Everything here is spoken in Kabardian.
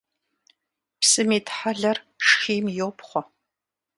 Псым итхьэлэр шхийм йопхъуэ.